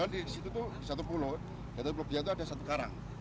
di situ tuh satu pulau di satu pulau itu ada satu karang